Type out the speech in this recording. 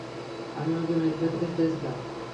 আমি ওকে মেরে ফেলতে চেয়েছিলাম।